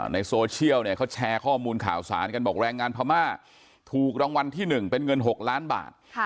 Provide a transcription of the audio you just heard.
ในโซเชียลเนี่ยเขาแชร์ข้อมูลข่าวสารกันบอกแรงงานพม่าถูกรางวัลที่๑เป็นเงิน๖ล้านบาท